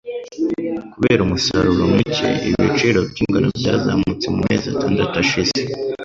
Kubera umusaruro muke, ibiciro by ingano byazamutse mumezi atandatu ashize.